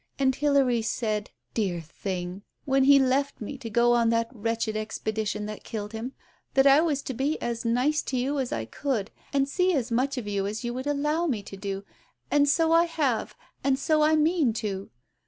And Hilary said — dear thing !— when he left me to go on that wretched expedition that killed him, that I was to be as nice to you as I could, and see as much of you as you would allow me to do, and so I have, and so I mean to."